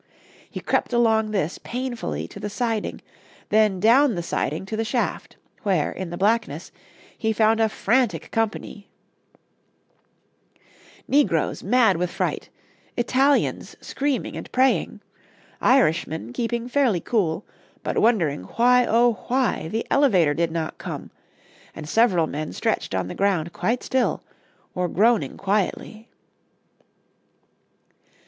He crept along this painfully to the siding, then down the siding to the shaft, where, in the blackness, he found a frantic company negroes mad with fright, Italians screaming and praying, Irishmen keeping fairly cool, but wondering why, oh, why! the elevator did not come, and several men stretched on the ground quite still or groaning quietly.